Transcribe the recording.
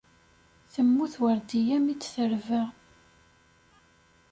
Temmut Werdiya mi d-terba.